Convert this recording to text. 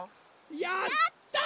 やった！